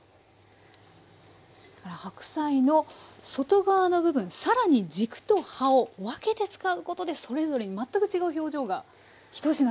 だから白菜の外側の部分更に軸と葉を分けて使うことでそれぞれに全く違う表情が一品で生まれるってことですね。